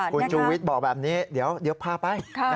คุณชูวิทย์บอกแบบนี้เดี๋ยวพาไป